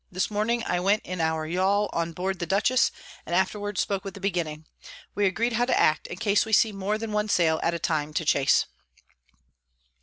This Morning I went in our Yall on board the Dutchess, and afterwards spoke with the Beginning. We agreed how to act, in case we see more than one Sail at a time to chase.